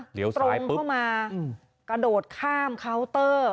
เดี๋ยวตรงเข้ามากระโดดข้ามเคาน์เตอร์